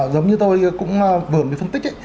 giống như tôi cũng vừa mới phân tích